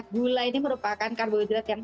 gula ini merupakan karbohidrat yang